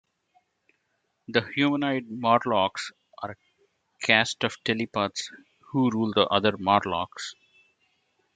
The humanoid Morlocks are a caste of telepaths who rule the other Morlocks.